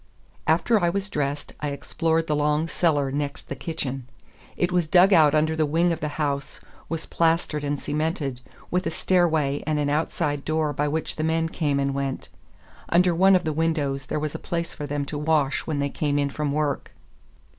After I was dressed I explored the long cellar next the kitchen. It was dug out under the wing of the house, was plastered and cemented, with a stairway and an outside door by which the men came and went. Under one of the windows there was a place for them to wash when they came in from work.